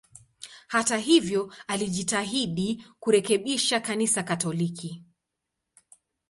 Hata hivyo, alijitahidi kurekebisha Kanisa Katoliki.